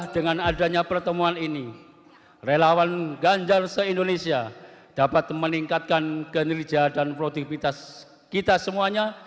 dengan adanya pertemuan ini relawan ganjar se indonesia dapat meningkatkan kinerja dan produktivitas kita semuanya